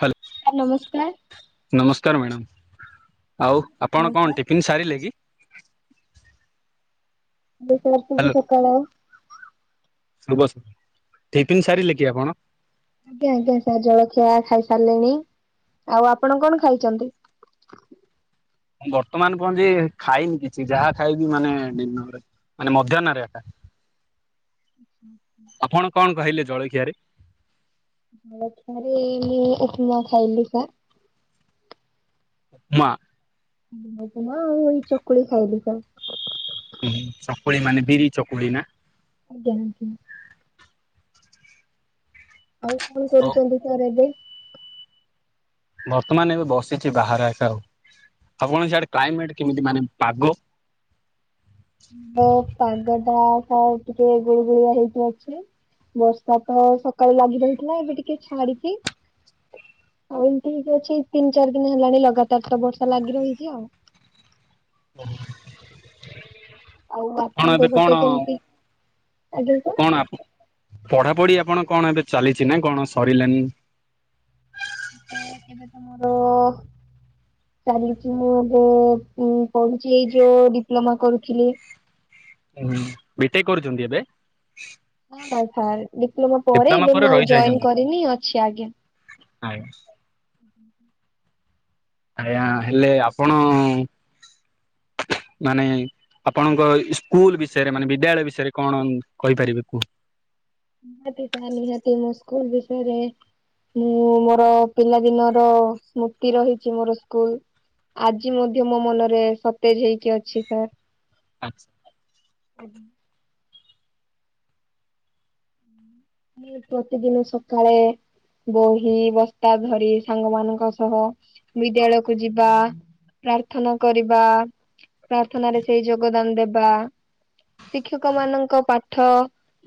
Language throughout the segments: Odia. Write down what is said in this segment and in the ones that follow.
ହ୍ୟାଲୋ। ସାର୍ ନମସ୍କାର। ନମସ୍କାର ମ୍ୟାଡ଼ାମ ଆଉ ଆପଣ କଣ ଟିଫିନ୍ ସାରିଲେ କି? ହ୍ୟାଲୋ [inaudible] ଶୁଭ ଶ ଟିଫିନ ସାରିଲେ କି ଆପଣ? ଆଜ୍ଞା ଆଜ୍ଞା ସାର୍ ଜଳଖିଆ ଖାଇ ସାରିଲିଣି ଆଉ ଆପଣ କଣ ଖାଇଛନ୍ତି? ମୁଁ ବର୍ତ୍ତମାନ କଣ ଯେ ଖାଇନି କିଛି ଯାହା ଖାଇଛି ମାନେ ଦିନରେ ମାନେ ମଧ୍ୟାହ୍ନରେ ଏକା ଆପଣ କଣ କହିଲେ ଜଳଖିଆରେ? ମୁଁ [inaudible] ଉପମା ଖାଇଲି ପା। ଉପମା। ଉପମା ଆଉ ଏଇ ଚକୁଳି ଖାଇଲିି ତ ହୁ ଚକୁଳି ମାନେ ବିରି ଚକୁଳି ନା? ଆଜ୍ଞା। ଆଉ କଣ କରୁଛନ୍ତି ତ ଏବେ? ବର୍ତ୍ତମାନ ଏବେ ବସିଛି ବାହାର ଏକା ଆଉ। ଆପଣଙ୍କ ସିଆଡେ କ୍ଲାଇମେଟ କେମିତି ମାନେ ପାଗ? [unintelligible] ପାଗଟା ସାର ଟିକେ ଗୁଳି ଗୁଳିଆ ହେଇକି ଅଛି। ବର୍ଷା ତ ସକାଳୁ ଲାଗି ରହିଥିଲା ଏବେ ଟିକେ ଛାଡିଛିି। ଆଉ ଠିକ ଅଛି ତିନି ଚାରି ଦିନ ହେଲାଣି ଲଗାତାର ତ ବର୍ଷା ଲାଗି ରହିଛି ଆଉ। [inaudible] ଆଉ କଣ ଆପଣଙ୍କ ଏବେ ପଟେ କଣ କେମିତି ଆଜ୍ଞା ସାର୍? କଣ ଆପ ପଢା ପଢି ଆପଣ କଣ ଏବେ ଚାଲିଛି ନା କଣ ସରିଲାନି? ମାନେ ଏବେ ତ ମୋର ଚାଲିଛି ମୁଁ ଏବେ ଉଁ ପଢୁଛି ଏଇ ଯୋଉ ଡିପ୍ଲୋମା କରୁଥିଲି। ଉଁ ବିଟେକ୍ କରୁଛନ୍ତି ଏବେ? [unintelligible] ଡିପ୍ଲୋମା ପରେ ଏବେ ମୁଁ ଆଉ ଜଏନ କରିନି ଅଛି ଆଜ୍ଞା। ଆଜ୍ଞା। ଆଜ୍ଞା ହେଲେ ଆପଣ ମାନେ ଆପଣଙ୍କ ସ୍କୁଲ ବିଷୟରେ ମାନେ ବିଦ୍ୟାଳୟ ବିଷୟରେ କଣ କହିପାରିବେ କୁହ। [unintelligible] ସ୍କୁଲ ବିଷୟରେ ମୁଁ ମୋର ପିଲାଦିନର ସ୍ମୃତି ରହିଛି ମୋର ସ୍କୁଲ। ଆଜି ମଧ୍ୟ ମୋ ମନରେ ସତେଜ ହେଇକି ଅଛି ସାର୍। ଆଚ୍ଛା। [unintelligible] ପ୍ରତିଦିନ ସକାଳେ ବହି ବସ୍ତା ଧରି ସାଙ୍ଗମାନଙ୍କ ସହ ବିଦ୍ୟାଳୟକୁ ଯିବା। ପ୍ରାର୍ଥନା କରିବା ପ୍ରାର୍ଥନରେ ସେଇ ଯୋଗଦାନ ଦେବା। ଶିକ୍ଷକ ମାନଙ୍କ ପାଠ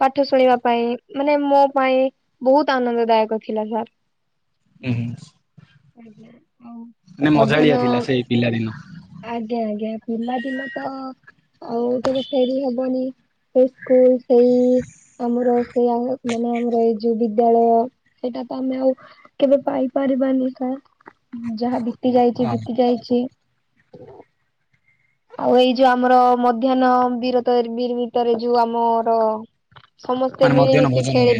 ପାଠ ଶୁଣିବା ପାଇଁ। ମାନେ ମୋ ପାଇଁ ବହୁତ ଆନନ୍ଦ ଦାୟକ ଥିଲା ସାର୍। ହୁଁ। ଆଜ୍ଞା ଆଉ ମଜାଳିଆ ମଧ୍ୟାହ୍ନ ଥିଲା ସେଇ ପିଲାଦିନ। ଆଜ୍ଞା ଆଜ୍ଞା ପିଲାଦିନ ତ ଆଉ କେବେ ଫେରି ହବନି। ସେଇ ସ୍କୁଲ ସେଇ ଆମର ସେଇଆ ମାନେ ଆମର ଏଇ ଯୋଉ ବିଦ୍ୟାଳୟ ସେଇଟା ତ ଆମେ ଆଉ କେବେ ପାଇପାରିବାନି ସାର୍। ଯାହା ବିତି ଯାଇଛି ବିତି ଯାଇଛି। ଆଉ ଏଇ ଯୋଉ ଆମର ମଧ୍ୟାହ୍ନ ବିରତରେ ବିର ଭିତରେ ଯୋଉ ଆମର ସମସ୍ ମାନେ ମଧ୍ୟାହ୍ନ ଭୋଜନ ହୁଏ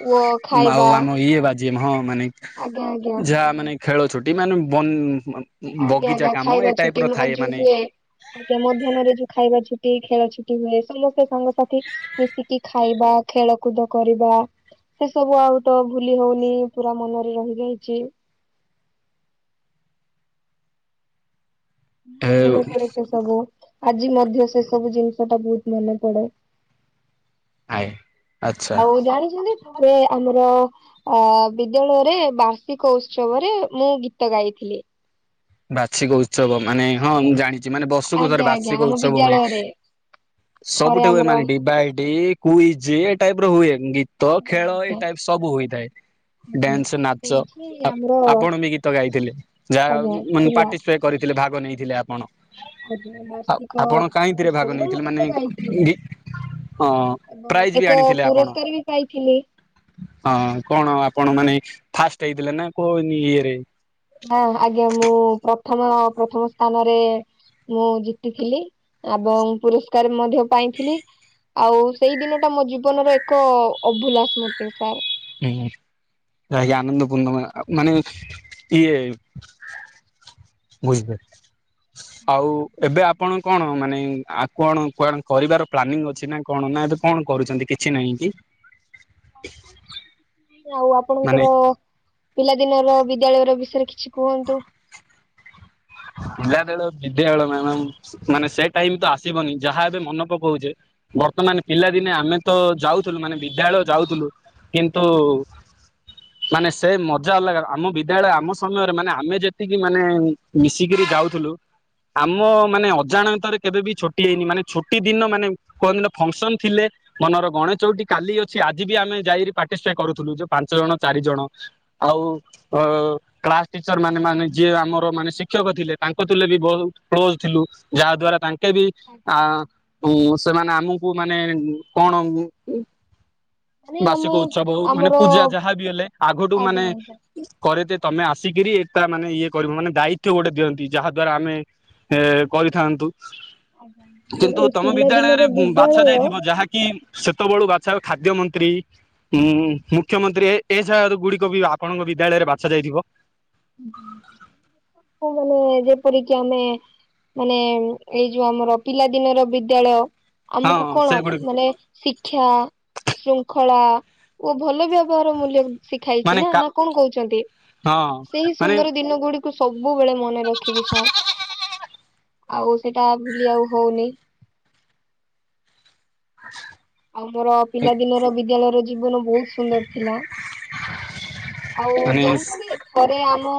ପୁଅ ହଁ ଖାଇବା ଆଉ ଆମ ଇଏ ବା ଯି ହଁ ମାନେ ଆଜ୍ଞା ଆଜ୍ଞା ଯାହା ମାନେ ଖେଳ ଛୁଟି ମାନେ ବ ଆଜ୍ଞା ଆଜ୍ଞା ଖାଇବା ଛୁଟି [unintelligible] ହୁଏ। [unintelligible] ମଧ୍ୟାହ୍ନରେ ଯୋଉ ଖାଇବା ଛୁଟି, ଖେଳ ଛୁଟି ହୁଏ ସମସ୍ତେ ସାଙ୍ଗସାଥି ମିଶିକି ଖାଇବା ଖେଳକୁଦ କରିବା। ସେ ସବୁ ଆଉ ତ ଭୁଲି ହଉନି ପୁରା ମନରେ ରହିଯାଇଛି। ଏ [unintelligible] ମନେ ପଡେ ସେ ସବୁ ଆଜି ମଧ୍ୟ ସେ ସବୁ ଜିନିଷଟା ବହୁତ ମନେ ପଡେ। ଆଏ ଆଚ୍ଛା। ଆଉ ଜାଣିଛନ୍ତି ଥରେ ଆମର ଅ ବିଦ୍ୟାଳୟରେ ବାର୍ଷିକ ଉତ୍ସବରେ ମୁଁ ଗୀତ ଗାଇଥିଲି। ବାର୍ଷିକ ଉତ୍ସବ ମାନେ ହଁ ମୁଁ ଜାଣିଛି ମାନେ ବର୍ଷକୁ ଥର ଆଜ୍ଞା ଆଜ୍ଞା ବାର୍ଷିକ ଆମ ଉତ୍ସବ ହୁଏ। ବିଦ୍ୟାଳୟରେ ଥରେ ସବୁଠି ହୁଏ ଆମର ମାନେ ଡିବାଇଟ କୁଇଜି ଏ ଟାଇପର ହୁଏ ଗି ତ ଆଜ୍ଞା ଖେଳ ଆଜ୍ଞା ଏଇ ଟାଇପ ସବୁ ହୋଇଥାଏ। ଆଜ୍ଞା ଡ୍ୟାନ୍ସ ନାଚ ସେଇଠି ଆ ଆମର ଆପଣ ବି ଗୀତ ଗାଇଥିଲେ ଯାହା ହୋଉ ଆଜ୍ଞା ମୁଁ କହିନି ଥିଲା ପାର୍ଟିସିପେଟ୍ କରିଥିଲେ ଭାଗ ନେଇଥିଲେ ଆପଣ? ଆଜ୍ଞା ଆ ବାର୍ଷିକ ଆପଣ କାଇଁତିରେ ଭାଗ ଉତ୍ସବରେ ମୁଁ ନେଇଥିଲେ ଗୀତ ମାନେ ଗାଇଥିଲି ଗି ହଁ ଏବଂ ପ୍ରାଇଜ ବି ଏକ ଆଣିଥିଲେ ଆପଣ। ପୁରସ୍କାର ବି ପାଇଥିଲି। ହଁ କଣ ଆପଣ ମାନେ ଫାଷ୍ଟ ହେଇଥିଲେ ନା କୋଉ ଇଏରେ। ହଁ ଆଜ୍ଞା ମୁଁ ପ୍ରଥମ ପ୍ରଥମ ସ୍ଥାନରେ ମୁଁ ଜିତିଥିଲି ଏବଂ ପୁରସ୍କାର ମଧ୍ୟ ପାଇଥିଲି। ଆଉ ସେଇ ଦିନ ଟା ମୋ ଜୀବନର ଏକ ଅଭୁଲା ସ୍ମୃତି ସାର୍। ଆଜ୍ଞା ଆଜ୍ଞା ଆନନ୍ଦପୂର୍ଣ୍ଣ ମେଳା ମାନେ ଇଏ ବୁଝିବେ ଆଉ ଏବେଆପ ଆପଣ କଣ ମାନେ ଆପଣ କଣ କରିବାର ପ୍ଲାନିଂ ଅଛି ନା କଣ ନା ଏବେ କଣ କରୁଛନ୍ତି କିଛି ନାହିଁ କି? ଆଉ ମାନେ ଆପଣଙ୍କର ପିଲାଦିନର ବିଦ୍ୟାଳୟ ର ବିଷୟରେ କିଛି କୁହନ୍ତୁ? [unintelligible] ବିଦ୍ୟାଳୟ ନାଇଁ ମାମ ମାନେ ସେ ଟାଇମ ତ ଆସିବନି ଯାହା ଏବେ ମନ ପକଉଚି। ବର୍ତ୍ତମାନ ପିଲାଦିନେ ଆମେ ତ ଯାଉଥିଲୁ ମାନେ ବିଦ୍ୟାଳୟ ଯାଉଥିଲୁ କିନ୍ତୁ ମାନେ ସେ ମଜା ଅଲଗା ଆମ ବିଦ୍ୟାଳୟ ଆମ ସମୟରେ ମାନେ ଆମେ ଯେତିକି ମାନେ ମିଶିକିରି ଯାଉଥିଲୁ। ଆମ ମାନେ ଅଜାଣତରେ କେବେ ବି ଛୋଟି ହେଇନି ମାନେ ଛୁଟି ଦିନ ମାନେ କଉଦିନ ଫଙ୍କସନ ଥିଲେ। ମନର ଗଣେ ଚଉଟି କାଲି ଅଛି ଆଜି ବି ଆମେ ଯାଇକି ପାର୍ଟିସିପେଟ କରୁଥିଲୁ ଯୋଉ ପାଞ୍ଚ ଜଣ ଚାରି ଜଣ। ଆଉ ଅ କ୍ଲାସ ଟିଚର ମାନେ ମାନେ ଯିଏ ଆମର ମାନେ ଶି ଶିକ୍ଷକ ଥିଲେ ତାଙ୍କ ଥିଲେ ବି ବହୁତ କ୍ଲୋଜ ଥିଲୁ, ଯାହା ଦ୍ଵାରା ତାଙ୍କେ ବି ଆ ଆଜ୍ଞା କୁ ସେମାନେ ଆମକୁ ମାନେ କଣ ଉଁ ମାନେ ବାର୍ଷିକ ଆମେ ଉତ୍ସବ ହଉ ମାନେ ଆମର ପୂଜା ଯାହାବି ହେଲେ ଆଗଠୁ ମାନେ ଆଜ୍ଞା ଆଜ୍ଞା। କରେଇତେ ତମେ ଆସିକିରି ଏକା ମାନେ ଇଏ କରିବ ମାନେ ଦାୟି ତ୍ୱ ଗୋଟେ ଦିଅନ୍ତି ଯାହା ଦ୍ଵାରା ଆମେ ଏ କରିଥାନ୍ତୁ। ଆଜ୍ଞା ଆମର କିନ୍ତୁ ଏଇ ତମ ପିଲା ଦିନର ବିଦ୍ୟାଳୟରେ ବାଛା ବିଦ୍ୟାଳୟ ଯାଇଥିବ ଯାହାକି କି ସେତେବେଳୁ ବାଛା ହୁଏ ଖାଦ୍ୟ ମନ୍ତ୍ରୀ। ଉଁ ମୁଖ୍ୟମନ୍ତ୍ରୀ ଏ ଏ ଜାଗା ଗୁଡିକ ବି ଆପଣଙ୍କ ବିଦ୍ୟାଳୟରେ ବାଛା ଯାଇଥିବ। କୋଉମାନେ ଯେପରିକି ଆମେ ମାନେ ଏଇ ଯୋଉ ଆମର ପିଲାଦିନର ବିଦ୍ୟାଳୟ ହଁ ଆମକୁ କଣ ସେଗୁଡିକ ମାନେ ଶି କ୍ଷା ଶୃଙ୍ଖଳା ଓ ଭଲ ବ୍ୟବହାର ମୂଲ୍ୟ ଶିଖାଇଛି ମାନେ ନା, କା ନା କଣ କହୁଛନ୍ତି ହଁ ସେଇ ମାନେ ସୁନ୍ଦର ଦିନ ଗୁଡି ସବୁବେଳେ ମନେ ରଖିବି ସାର୍ ଆଉ ସେଇଟା ଭୁଲି ଆଉ ହୋଉନାହିଁ। ଆଛା। ଆଉ ମୋର ପିଲାଦିନର ବିଦ୍ୟାଳୟର ଜୀବନ ବହୁତ ସୁନ୍ଦର ଥିଲା, ଆଉ ମାନେ ଜାଣିଛନ୍ତି ଥରେ ଆମ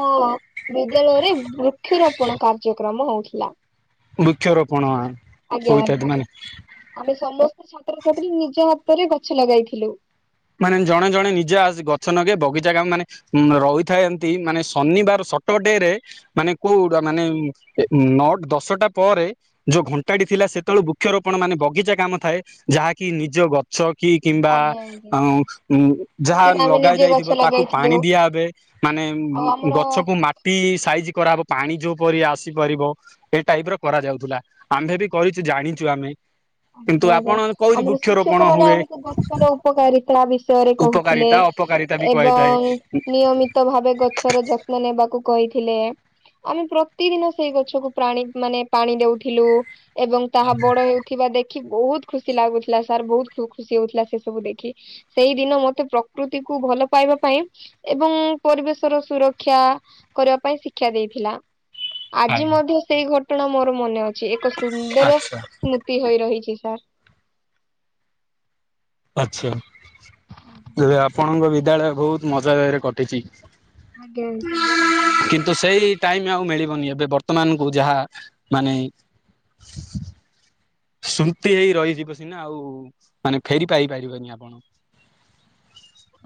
ବିଦ୍ୟାଳୟରେ ବୃକ୍ଷରୋପଣ କାର୍ଯ୍ୟକ୍ରମ ହଉଥିଲା। ବୃକ୍ଷରୋପଣ ଆଜ୍ଞା ଆଜ୍ଞା। ହୋଇଥାନ୍ତି ମାନେ ଆମେ ସମସ୍ତେ ଛାତ୍ରଛାତ୍ରୀ ନିଜ ହାତରେ ଗଛ ଲଗାଇଥିଲୁ। ମାନେ ଜଣେ ଜଣେ ନିଜେ ଆ ଗଛ ନଗେଇବେ ବଗିଚା କାମ ମାନେ ଉଁ ରହିଥାଏ ଏମିତି ମାନେ ଶନିବାର ସଟର ଡେ ରେ ମାନେ କୋଉଡ଼ା ମାନେ ନଅ, ଦଶଟା ପରେ ଯୋଉ ଘଣ୍ଟାଟି ଥିଲା ସେତେବେଳେ ବୃକ୍ଷରୋପଣ ମାନେ ବଗିଚା କାମ ଥାଏ ଯାହାକି ନିଜ ଗ ଛ କି କିମ୍ବା ଆଜ୍ଞା ଆଜ୍ଞା। ଯାହା ସେଦିନ ଆମେ ଲଗା ନିଜେ ଯାଇଥିବ ଗଛ ତାକୁ ଲଗାଇଥିଲୁ ପାଣି ଦିଆହେବେ ମାନେ ଆଉ ଆମର ଗଛକୁ ମାଟି ସାଇଜି କରାହବ ପାଣି ଯୋଉପରି ଆସିପାରିବ। ଏଇ ଟାଇପ୍ ର କରାଯାଉଥିଲା ଆମ୍ଭେ ବି କରିଛୁ ଜାଣିଛୁ ଆମେ। କିନ୍ତୁ ଆଜ୍ଞା ଆଜ୍ଞା ଆପଣ କହୁଛି ଆମର ଶିକ୍ଷକ ବୃକ୍ଷରୋପଣ ମାନେ ହୁଏ ଆମକୁ ଗଛର ଉପକାରିତା ବିଷୟ ବିଷୟରେ କହୁଥିଲେ ଉପକାରିତା ଅପକାରିତା ବି କହିଥାଏ ଏବଂ ନିୟମି ତ ଭାବେ ଗଛର ଯତ୍ନ ନେବାକୁ କହିଥିଲେ। ଆମେ ପ୍ରତିଦିନ ସେଇ ଗଛକୁ ପ୍ରାଣି ମାନେ ପାଣି ଦଉଥିଲୁ ଏବଂ ତାହା ବଡ ହେଉ ଥିବା ଦେଖି ବୋହୁତ ଖୁସି ଲାଗୁଥିଲା ସାର୍ ବୋହୁତ ଖୁସି ହଉଥିଲା ସେ ସବୁ ଦେଖି। ସେଇଦିନ ମତେ ପ୍ରକୃତିକୁ ଭଲ ପାଇବା ପାଇଁ ଏବଂ ପରିବେଶ ର ସୁରକ୍ଷା କରିବା ପାଇଁ ଶିକ୍ଷା ଦେଇଥିଲା। ଆଜି ଆଜ୍ଞା ମଧ୍ୟ ସେଇ ଘଟଣା ମୋର ମନେ ଅଛି ଏକ ସୁନ୍ଦର ଆଚ୍ଛା ଏମିତି ହୋଇ ରହିଚି ସାର୍। ଆଛା ଆପଣଙ୍କ ବିଦ୍ୟାଳୟ ବୋହୁତ ମଜା ଯାଗାରେ କଟିଚି। ଆଜ୍ଞା ଆଜ୍ଞ। ଟାଇମ୍ ଆଉ ମିଳିବନି ଏବେ ବର୍ତ୍ତମାନ କୁ ଯାହା ମାନେ ସ୍ମୁତି ହେଇ ରହିଯିବ ସିନା ଆଉ ମାନେ ଫେରି ପାଇ ପାରିବନି ଆପଣ।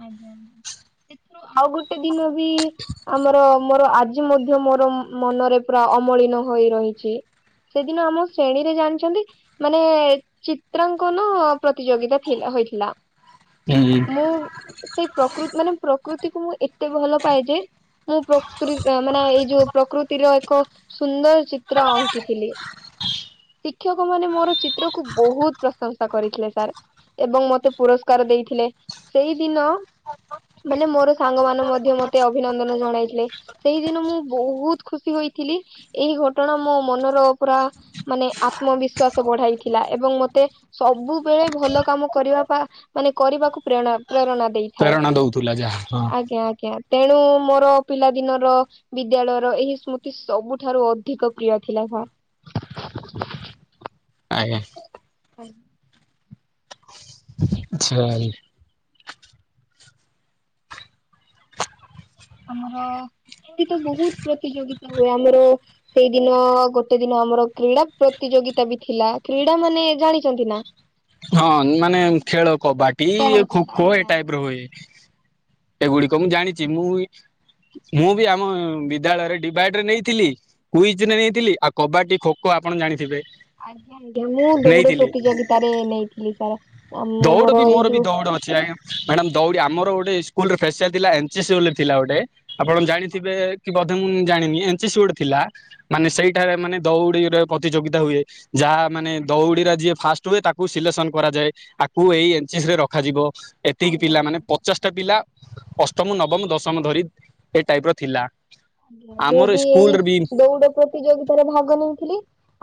ଆଜ୍ଞା ସେଥିରୁ ଆଉ ଗୋଟେ ଦିନ ବି ଆମର ମୋର ଆଜି ଆଜି ମଧ୍ୟ ମୋର ମନରେ ପୁରା ଅମଳିନ ହୋଇ ରହିଚି। ସେଦିନ ଆମ ଶ୍ରେଣୀରେ ଜାଣିଚନ୍ତି? ମାନେ ଚିତ୍ରାଙ୍କନ ପ୍ରତିଯୋଗିତା ଥିଲା ହୋଇଥିଲା। ହୁଁ ମୁଁ ସେଇ ପ୍ରକୃତି ମାନେ ପ୍ରକୃତିକୁ ମୁଁ ଏତେ ଭଲ ପାଏ ଯେ ମୁଁ ପ୍ରତ୍ରରି ମାନେ ଏଇ ଯୋଉ ପ୍ରକୃତିର ଏକ ସୁନ୍ଦର ଚିତ୍ର ଅଙ୍କିଥିଲି। ଶିକ୍ଷକ ମାନେ ମୋର ଚିତ୍ରକୁୁ ବୋହୁତ ପ୍ରଶଂସା କରିଥିଲେ ସାର୍। ଏବଂ ମତେ ପୁରସ୍କାର ଦେଇଥିଲେ ସେଇଦିନ ମାନେ ମୋର ସାଙ୍ଗ ମାନ ମଧ୍ୟ ମତେ ଅଭିନନ୍ଦନ ଜଣାଇଥିଲେ। ସେଇଦିନ ମୁଁ ବୋହୁତ ଖୁସି ହୋଇଥିଲି ଏଇ ଘଟଣା ମୋ ମନର ପୁରା ମାନେ ଆତ୍ମବିଶ୍ଵାସ ବଢାଇଥିଲା ଏବଂ ମତେ ସବୁବେଳେ ଭଲ କାମ କରିବା ମାନେ କରିବାକୁ ପ୍ରେରଣା ପ୍ରେରଣା ଦେଇ। ଥାଏ ପ୍ରେରଣା ଦଉଥିଲା ଯାହା ହଁ ଆଜ୍ଞା ଆଜ୍ଞା ତେଣୁ ମୋର ପିଲାଦିନର ବିଦ୍ୟାଳୟର ଏହି ସ୍ମୃତି ସବୁଠାରୁ ଅଧିକ ପ୍ରିୟ ଥିଲା ସାର୍। ଆଜ୍ଞା। ହଁ। ଝାଇ ଆମର ଏଠିତ ବୋହୁତ ପ୍ରତିଯୋଗିତା ହୁଏ ଆମର ସେଇଦିନ ଗୋଟେ ଦିନ ଆମର କ୍ରୀଡ଼ା ପ୍ରତିଯୋଗିତା ବି ଥିଲା କ୍ରୀଡା ମାନେ ଜାଣିଚନ୍ତି ନା? ହଁ ମାନେ ଖେଳ କବାଡି ଖୋ ଖେଳକୁଦ ଖୋ ଏ ଟାଇପ୍ ର ହୁଏ। ଏଗୁଡିକ ମୁଁ ଜାଣିଚି ମୁଁ ମୁଁ ବି ଆମ ବିଦ୍ୟାଳୟରେ ଡିଭାଇଡ ରେ ନେଇଥିଲି। କୁଇଜ୍ ରେ ନେଇଥିଲି ଆଉ କବାଡି ଖୋ ଖୋ ଆପଣ ଜାଣିଥିବେ? ଆଜ୍ଞା ଆଜ୍ଞା ମୁଁ ଦୌଡ ନେଇଥିଲି ପ୍ରତିଯୋଗତାରେ ନେଇଥିଲି ସାରା। ଦୌଡ଼ ବି ମୋର ବି ଦୌଡ ଅଛି ଆଜ୍ଞା। ମାଡାମ ଦୌଡ଼ି ଆମର ଗୋଟେ ଇସ୍କୁଲରେ ଫେସିଆଲ ଥିଲା ଏନ ସି ସି ବୋଲି ଥିଲା ଗୋଟେ। ଆପଣ ଜାଣିଥିବେ କି ବୋଧେ ମୁଁ ଜାଣିନି ଏନ୍ ସି ସି ଗୋଟେ ଥିଲା। ମାନେ ସେଇଠାରେ ମାନେ ଦୌଡିରେ ପ୍ରତିଯୋଗିତା ହୁଏ। ଯାହା ମାନେ ଦଉଡ଼ିରେ ଯିଏ ଫାଷ୍ଟ ହୁଏ ତାକୁ ସିଲେକ୍ସନ କରାଯାଏ। ଆକୁ ଏଇ ଏନ୍ ସି ସି ରେ ରଖାଯିବ। ଏତିକି ଆଜ୍ଞା ପିଲା ମାନେ ପଚାଶ ଟା ପିଲା ଅଷ୍ଟମ, ନବମ, ଦଶମ ଧରି ଏ ଟାଇପ ର ଥିଲା। ଆଜ୍ଞା, ମୁଁ ଆମର ବି ଏଇ ସ୍କୁଲରେ ବି ଦୌଡ ପ୍ରତିଯୋଗିତାରେ ଭାଗ ନେଇଥିଲି।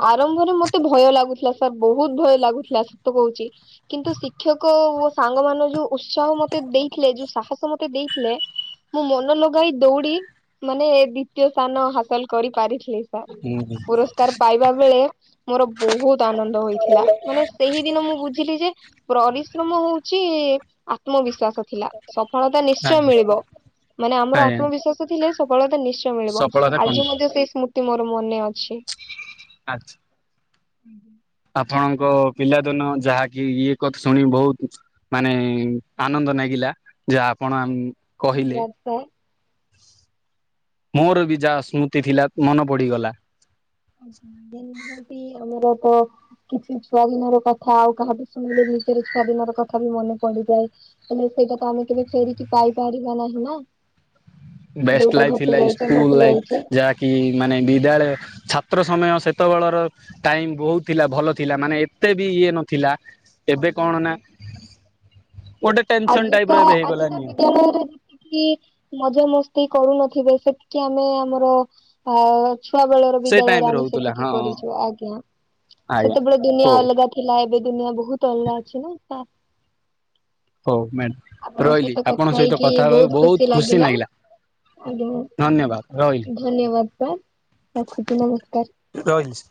ଆରମ୍ଭରେ ମତେ ଭୟ ଲାଗୁଥିଲା ସାର୍, ବହୁତ ଭୟ ଲାଗୁଥିଲା ସତ କହୁଛି। କିନ୍ତୁ ଶିକ୍ଷକ ଓ ସାଙ୍ଗ ମାନ ଯୋଉ ଉତ୍ସାହ ମତେ ଦେଇଥିଲେ ଯୋଉ ସାହସ ମତେ ଦେଇଥିଲେ ମୁଁ ମନ ଲଗାଇ ଦୌଡ଼ି ମାନେ ଦ୍ଵିତୀୟ ସ୍ଥାନ ହାସଲ କରି ପାରିଥିଲି ସାର୍। ପୁରସ୍କାର ପାଇବା ବେଳେ ମୋର ବହୁତ ଆନନ୍ଦ ହୋଇଥିଲା। ମାନେ ସେହିଦିନ ମୁଁ ବୁଝିଲି ଯେ ପରିଶ୍ରମ ହଉଛି ଆତ୍ମବିଶ୍ବାସ ଥିଲା। ସଫଳତା ନିଶ୍ଚୟ ଆଜ୍ଞା ମିଳିବ ମାନେ ଆମର ଆତ୍ମବିଶ୍ବାସ ଥିଲେ ସଫଳତା ନିଶ୍ଚୟ ମିଳିବ। ସଫଳତା କଣ ଆଜି ମଧ୍ୟ ସେଇ ସ୍ମୃତି ମୋର ମନେ ଅଛି। ଆଚ୍ଛା। ଆଜ୍ଞା। ଆପଣଙ୍କ ପିଲାଦିନ ଯାହାକି ଇଏ କଥା ଶୁଣିି ବହୁତ ମାନେ ଆନନ୍ଦ ନାଗିଲା। ଯାହା ଆପଣ କହିଲେ ଧନ୍ୟବାଦ ସାର୍ ମୋର ବି ଯାହା ସ୍ମୃତି ଥିଲା ମନେ ପଡ଼ିଗଲା। [inaudible] [unintelligible] ଆମର ତ କିଛି ଛୁଆ ଦିନ ର କଥା ଆଉ କାହା ଠୁ ଶୁଣିଲେ ନିଜର ଛୁଆ ଦିନର କଥା ବି ମନେ ପଡ଼ିଯାଏ। ହେଲେ ସେଇଟା ତ ଆମେ କେବେ ଫେରିକି ପାଇପାରିବା ନାହିଁ ନା। ବେଷ୍ଟ ଯୋଉଟା ଲାଇଫ୍ ଘଟି ଥିଲା ଏଇ ଯାଇଛି ଘଟି ସ୍କୁଲ ଲାଇଫ୍। ଯାଇଛି ଯାହା କି ମାନେ ବିଦ୍ୟାଳୟ, ଛାତ୍ର ସମୟ ସେତେବେଳର ଟାଇମ ବହୁତ ଥିଲା ଭଲ ଥିଲା। ମାନେ ଏତେ ବି ଇଏ ନଥିଲା। ଏବେ ଆଜ୍ଞା କଣ ନା ଗୋଟେ ଟେନସନ ଆଜିି ଟାଇପ ର କା ଏବେ ଆଜିି କା ହେଇଗଲାନି ବିଦ୍ୟାଳୟରେ କି ମଜା ମସ୍ତି କରୁନଥିବେ। ସେତିକି ଆମେ ଆମର ଆ ଛୁଆ ବେଳର ସେ ଟାଇମ ବିଦ୍ୟାଳୟରେ ଆମେ ରହୁଥିଲା ସେତିକି ହଁ କରିଛୁ। ଆଜ୍ଞା, ଆଜ୍ଞା ସେତେବେଳେ ଦୁନିଆ ହଉ ଅଲଗା ଥିଲା ଏବେ ଦୁନିଆ ବହୁତ ଅଲଗା ଅଛି ନା। ତା ହଉ ମ୍ୟାଡ଼ାମ ଆପଣଙ୍କ ରହିଲି। ସହିତ କଥା ଆପଣଙ୍କ ସହିତ ହେଇକି କଥା ହେବାକୁ ବହୁତ ଖୁସି ଲାଗିଲା ନାଗିଲା। ଆଜ୍ଞା, ମୁ ଧନ୍ୟବାଦ ସାର୍, ରଖୁଛି ନମସ୍କାର। ରହିିଲ୍।